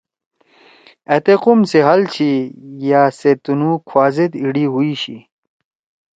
أ تے قوم سی حال چھی یأ سے تنُو کُھوا زید ایِڑی ہُوئی شی